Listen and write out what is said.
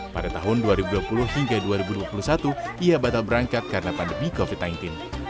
pada tahun dua ribu dua puluh hingga dua ribu dua puluh satu ia batal berangkat karena pandemi covid sembilan belas